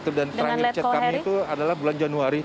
terakhir chat kami itu adalah bulan januari